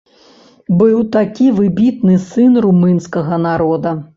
Быў такі выбітны сын румынскага народа.